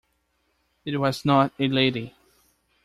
It was not a lady.